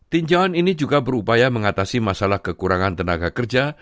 tinjauan ini juga berupaya mengatasi masalah kekurangan tenaga kerja